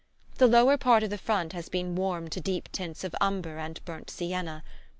The lower part of the front has been warmed to deep tints of umber and burnt siena.